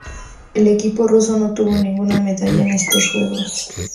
El equipo ruso no obtuvo ninguna medalla en estos Juegos.